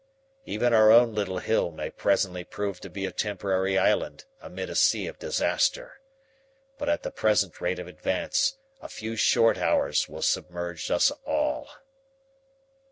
Even our own little hill may presently prove to be a temporary island amid a sea of disaster. But at the present rate of advance a few short hours will submerge us all."